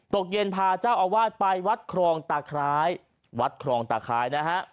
ตกเย็นพาเจ้าอาวาสไปวัดครองตาคล้ายวัดครองตาคล้ายนะฮะ